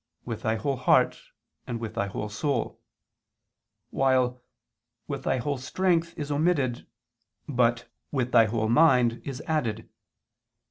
"with thy whole heart" and "with thy whole soul," while "with thy whole strength" is omitted, but "with thy whole mind" is added.